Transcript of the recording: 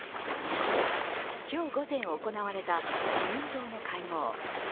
今日午前行われた自民党の会合。